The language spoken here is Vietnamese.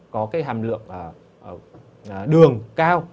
có hàm lượng đường cao